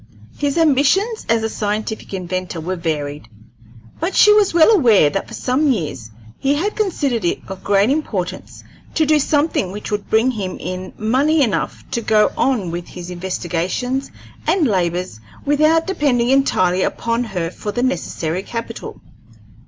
His ambitions as a scientific inventor were varied, but she was well aware that for some years he had considered it of great importance to do something which would bring him in money enough to go on with his investigations and labors without depending entirely upon her for the necessary capital.